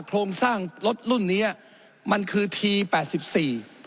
โครงสร้างรถรุ่นเนี้ยมันคือทีแปดสิบสี่